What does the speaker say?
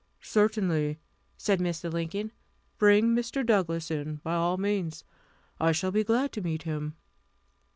"Certainly," said Mr. Lincoln. "Bring Mr. Douglass in, by all means. I shall be glad to meet him."